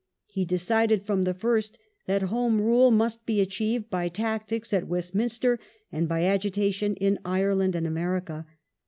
He decided from the first that Home Rule must be achieved by tactics at Westminster and by agitation in Ireland and America.